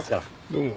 どうも。